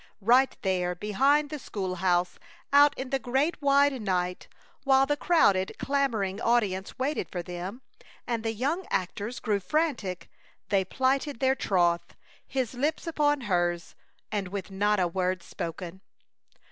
Right there behind the school house, out in the great wide night, while the crowded, clamoring audience waited for them, and the young actors grew frantic, they plighted their troth, his lips upon hers, and with not a word spoken.